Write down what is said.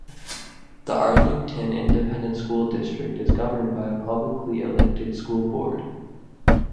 The Arlington Independent School District is governed by a publicly elected school board.